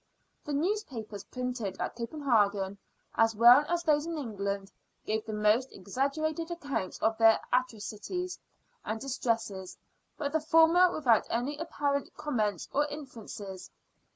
The newspapers printed at Copenhagen, as well as those in England, give the most exaggerated accounts of their atrocities and distresses, but the former without any apparent comments or inferences.